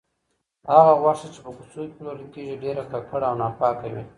هغه غوښه چې په کوڅو کې پلورل کیږي، ډېره ککړه او ناپاکه وي.